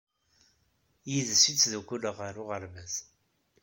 Yid-s i ttdukkuleɣ ɣer uɣerbaz.